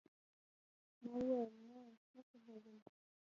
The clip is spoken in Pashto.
ما وويل نه نه پوهېږم.